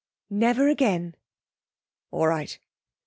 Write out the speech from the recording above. Never again.' 'All right.